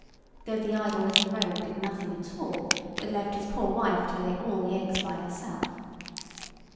(though the idle little rogue did nothing at all, but left his poor wife to lay all the eggs by herself).